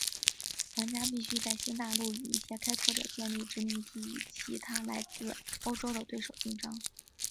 玩家必须在新大陆与一些开拓者建立殖民地与其他来自欧洲的对手竞争。